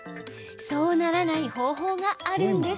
そうならない方法があるんです。